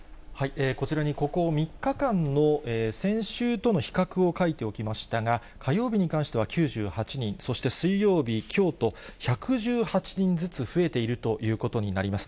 こちらにここ３日間の先週との比較を書いておきましたが、火曜日に関しては９８人、そして水曜日、きょうと、１１８人ずつ増えているということになります。